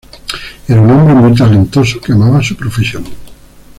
Era un hombre muy talentoso que amaba su profesión.